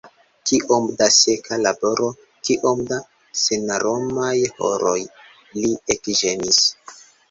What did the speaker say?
"Kiom da seka laboro, kiom da senaromaj horoj!" li ekĝemis.